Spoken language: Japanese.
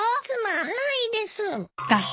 つまんないです。